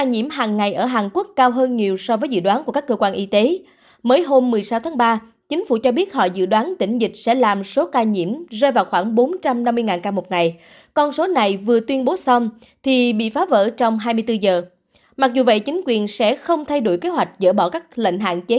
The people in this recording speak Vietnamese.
hãy đăng ký kênh để ủng hộ kênh của chúng mình nhé